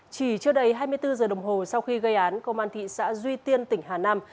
chỉ chưa đầy hai mươi bốn giờ đồng hồ sau khi gây án công an thị xã duy tiên tỉnh hà nam